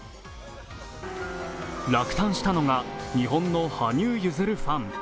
落胆したのが日本の羽生結弦さん。